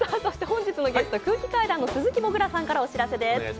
本日のゲスト空気階段の鈴木もぐらさんからお知らせです。